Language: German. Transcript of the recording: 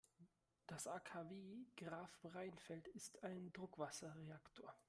Das AKW Grafenrheinfeld ist ein Druckwasserreaktor.